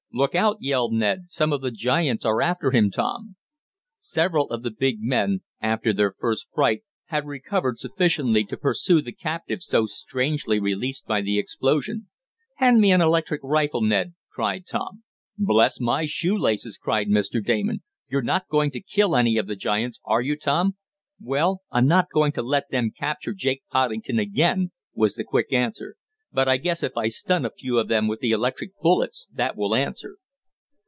"Look out!" yelled Ned. "Some of the giants are after him, Tom!" Several of the big men, after their first fright, had recovered sufficiently to pursue the captive so strangely released by the explosion. "Hand me an electric rifle, Ned!" cried Tom. "Bless my shoe laces!" cried Mr. Damon. "You're not going to kill any of the giants; are you, Tom?" "Well, I'm not going to let them capture Jake Poddington again," was the quick answer, "but I guess if I stun a few of them with the electric bullets that will answer."